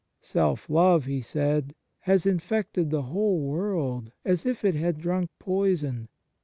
" Self love," He said, " has infected the whole world as if it had drunk poison.